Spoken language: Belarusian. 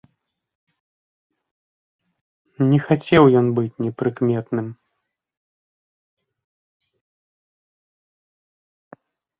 Не хацеў ён быць непрыкметным.